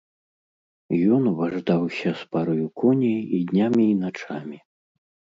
Ён важдаўся з параю коней і днямі і начамі.